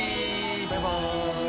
バイバーイ！